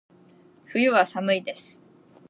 冬は、寒いです。